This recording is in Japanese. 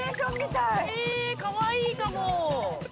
ええかわいいかも。